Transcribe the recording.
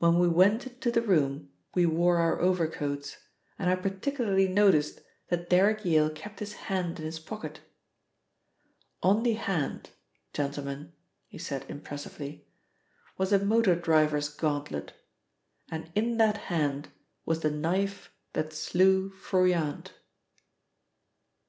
When we went into the room we wore our overcoats, and I particularly noticed that Derrick Yale kept his hand in his pocket. On the hand, gentlemen," he said impressively, "was a motor driver's gauntlet, and in that hand was the knife that slew Froyant."